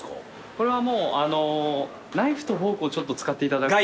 これはもうナイフとフォークを使っていただけると。